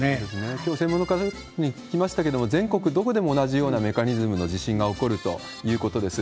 きょう、専門の方に聞きましたけれども、全国どこでも同じようなメカニズムの地震が起こるということです。